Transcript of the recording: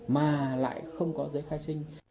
mà lại không có giấy khai sinh